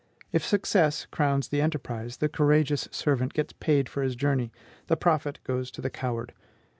If success crowns the enterprise, the courageous servant gets paid for his journey; the profit goes to the coward.